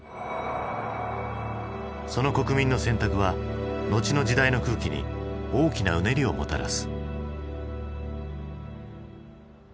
その国民の選択は後の時代の空気に大きなうねりをもたらす。